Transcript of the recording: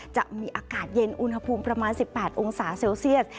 จะมีอากาศเย็นอุณหภูมิประมาณ๑๘องศาเซลเซียส